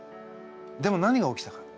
でも何が起きたか。